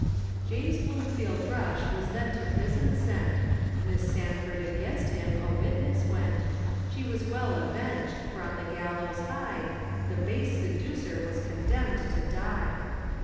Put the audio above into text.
James Bloomfield Rush was then to prison sent, Miss Sandford against him a witness went, She was well avenged for on the gallows high, The base seducer was condemned to die!